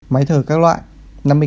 máy thở các loại